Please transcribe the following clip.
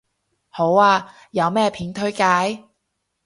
好啊，有咩片推介